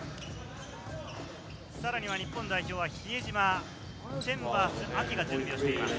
さらに日本代表は比江島、チェンバース・アキが準備をしています。